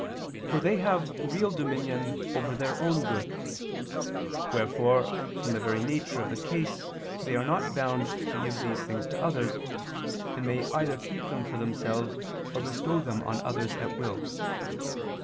For they have real dominion over their own goods; wherefore from the very nature of the case they are not bound to give these things to others, and may either keep them for themselves or bestow them on others at will.